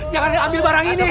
jangan ambil barang ini